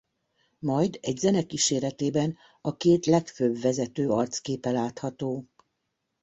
Majd egy zene kíséretében a két legfőbb vezető arcképe látható.